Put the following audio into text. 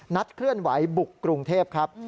เคลื่อนไหวบุกกรุงเทพครับ